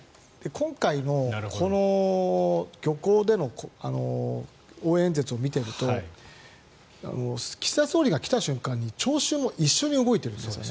今回のこの漁港での応援演説を見ていると岸田総理が来た瞬間に聴衆も一緒に動いてるんです。